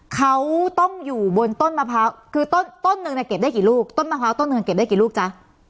เขาต้องอยู่บนต้นมะพร้าวคือต้นต้นหนึ่งเนี่ยเก็บได้กี่ลูกต้นมะพร้าวต้นหนึ่งเก็บได้กี่ลูกจ๊ะ